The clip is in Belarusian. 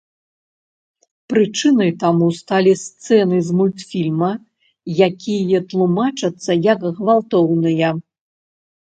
Прычынай таму сталі сцэны з мультфільма, якія тлумачацца як гвалтоўныя.